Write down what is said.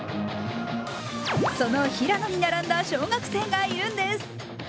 その平野に並んだ小学生がいるんです。